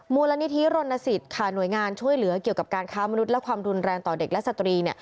มูลนิธิรณสิทธิ์ค่ะหน่วยงานช่วยเหลือเกี่ยวกับการค้ามนุษย์และความรุนแรงต่อเด็กและสตรี